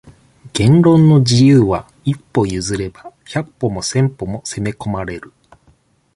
言論の自由は、一歩譲れば、百歩も千歩も攻め込まれる。